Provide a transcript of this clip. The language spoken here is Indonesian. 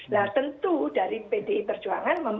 nah tentu dari pdi perjuangan